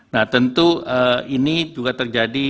nah tentu ini juga terjadi